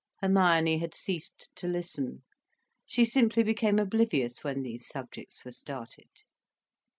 Hermione had ceased to listen. She simply became oblivious when these subjects were started.